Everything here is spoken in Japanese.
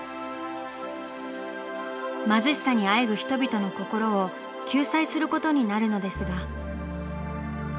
貧しさにあえぐ人々の心を救済することになるのですが。